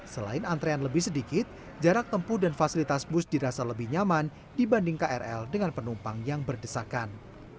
selain antrean lebih sedikit jarak tempuh dan fasilitas bus dirasa lebih nyaman dibanding krl dengan penumpang yang berdesakan